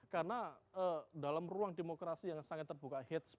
karena dalam ruang demokrasi yang sangat terbuka akhirnya